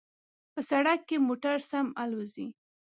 په سړک کې موټر سم الوزي